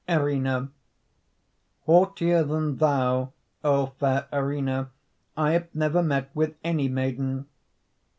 ERINNA Haughtier than thou, O fair Erinna, I have never met with any maiden.